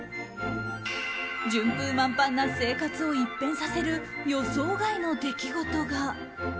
順風満帆な生活を一変させる予想外の出来事が。